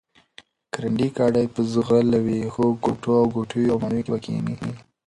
ګړندی ګاډی به ځغلوي، ښو کوټو او کوټیو او ماڼیو کې به کښېني،